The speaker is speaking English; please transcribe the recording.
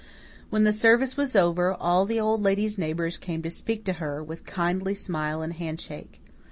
When the service was over all the Old Lady's neighbours came to speak to her, with kindly smile and handshake.